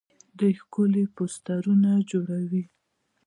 دوی ښکلي پوسټرونه جوړوي.